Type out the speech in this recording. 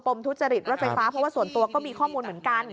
ทุจริตรถไฟฟ้าเพราะว่าส่วนตัวก็มีข้อมูลเหมือนกัน